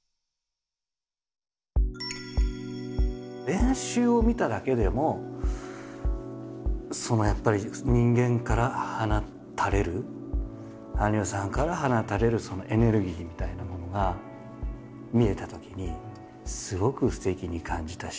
練習を見ただけでもやっぱり人間から放たれる羽生さんから放たれるエネルギーみたいなものが見えたときにすごくすてきに感じたし。